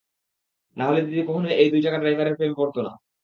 নাহলে দিদি কখনোই এই দুই টাকার ড্রাইভারের প্রেমে পড়ত না।